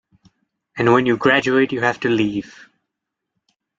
And when you graduate you have to leave.